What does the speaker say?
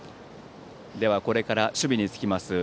これから守備につきます